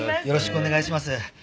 よろしくお願いします。